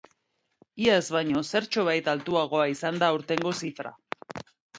Iaz baino zertxobait altuagoa izan da aurtengo zifra.